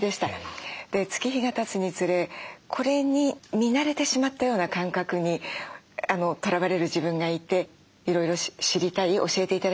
で月日がたつにつれこれに見慣れてしまったような感覚にとらわれる自分がいていろいろ知りたい教えて頂きたいという気持ちです。